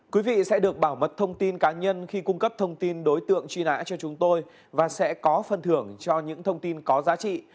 quý vị sẽ được bảo mật thông tin cá nhân khi cung cấp thông tin đối tượng truy nã cho chúng tôi và sẽ có phần thưởng cho những thông tin có giá trị